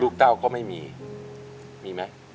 ลูกเขาก็ไม่มีมีไหม